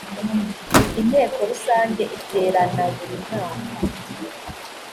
inteko rusange iteranaburimwaka.